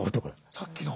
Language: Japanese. さっきの？